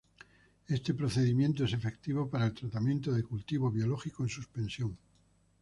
Este procedimiento es efectivo para el tratamiento de cultivo biológico en suspensión.